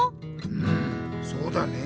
うんそうだね。